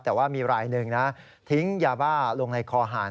แต่ว่ามีรายหนึ่งนะทิ้งยาบ้าลงในคอหาร